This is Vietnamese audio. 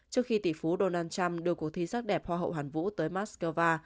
trước khi tỷ phú donald trump đưa cuộc thi sắc đẹp hoa hậu hàn vũ tới moscow